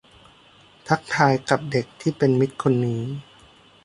ทักทายกับเด็กที่เป็นมิตรคนนี้